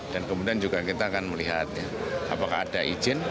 dan kemudian kita akan melihat apakah ada izin